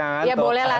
oke ya boleh lah